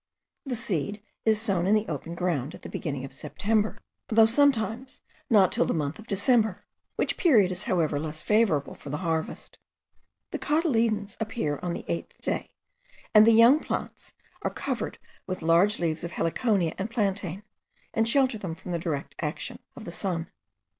The seed is sown in the open ground, at the beginning of September; though sometimes not till the month of December, which period is however less favourable for the harvest. The cotyledons appear on the eighth day, and the young plants are covered with large leaves of heliconia and plantain, and shelter them from the direct action of the sun.